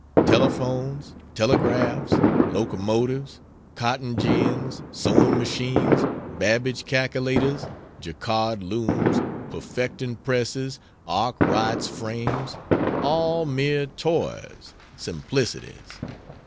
Telephones, telegraphs, locomotives, cotton gins, sewing machines, Babbage calculators, jacquard looms, perfecting presses, Arkwright's frames all mere toys, simplicities!